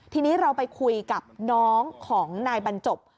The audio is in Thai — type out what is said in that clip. ทีนี้เราไปคุยกับน้องของนายบรรจบ